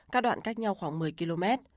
các đoạn cách nhau khoảng một mươi km